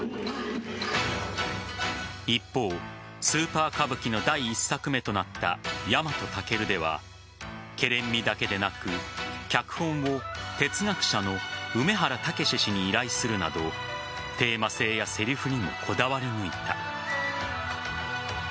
一方、スーパー歌舞伎の第１作目となった「ヤマトタケル」ではけれん味だけでなく、脚本を哲学者の梅原猛氏に依頼するなどテーマ性やセリフにもこだわり抜いた。